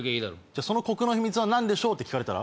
そのコクの秘密は何でしょう？って聞かれたら？